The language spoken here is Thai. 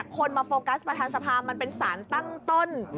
คนมาโฟกัสประธานสภามันเป็นสารตั้งต้น